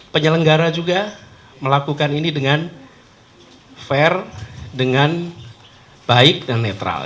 penyelenggara juga melakukan ini dengan fair dengan baik dan netral